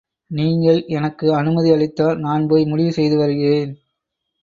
நீங்கள் எனக்கு அனுமதி அளித்தால், நான் போய் முடிவு செய்து வருகிறேன்.